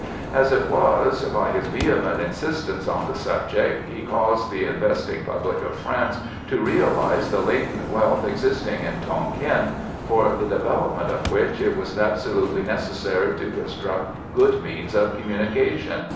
As it was, by his vehement insistence on the subject, he caused the investing public of France to realise the latent wealth existing in Tonquin, for the development of which it was absolutely necessary to construct good means of communication.